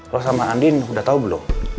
lo sama andien udah tahu belum